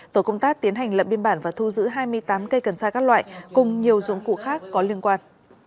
tổ công tác tiến hành lậm biên bản và thu giữ hai mươi tám cây cần sa các loại cùng nhiều dụng cụ khác có liên quan